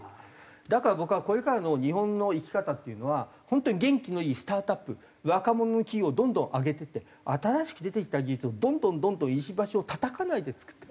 だから僕はこれからの日本の生き方っていうのは本当に元気のいいスタートアップ若者のどんどん上げていって新しく出てきた技術をどんどんどんどん石橋をたたかないで作っていく。